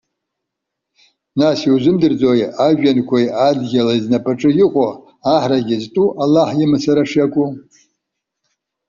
Нас иузымдырӡои ажәҩанқәеи адгьыли знапаҿы иҟоу, аҳрагьы зтәу Аллаҳ имацара шиакәу?